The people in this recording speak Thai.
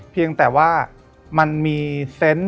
เพียงแต่ว่ามันมีเซนต์